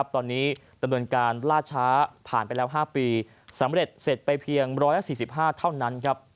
ตอนนี้ดำเนินการล่าช้าผ่านไปแล้ว๕ปีสำเร็จเสร็จไปเพียง๑๔๕เท่านั้น